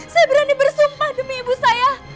saya berani bersumpah demi ibu saya